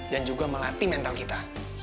dan juga melatih mental kita